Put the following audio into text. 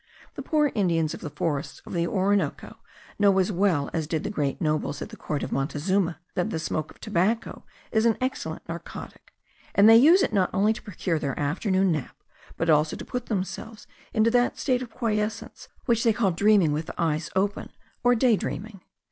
The poor Indians of the forests of the Orinoco know as well as did the great nobles at the court of Montezuma that the smoke of tobacco is an excellent narcotic; and they use it not only to procure their afternoon nap, but also to put themselves into that state of quiescence, which they call dreaming with the eyes open, or day dreaming.